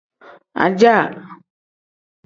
Ajaa.